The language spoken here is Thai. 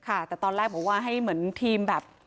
ค่ะแต่ตอนแรกบอกว่าให้เหมือนทีมแบบ